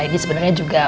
ini sebenernya juga